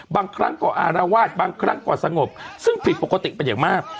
บางครั้งก็อารวาสบางครั้งก็สงบซึ่งผิดปกติเป็นอย่างมาก